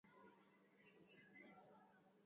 waziri wa sheria nchini humo lasar karur chebi